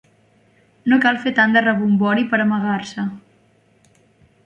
No cal fer tant de rebombori per amagar-se...